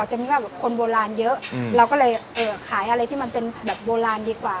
จะมีว่าคนโบราณเยอะเราก็เลยขายอะไรที่มันเป็นแบบโบราณดีกว่า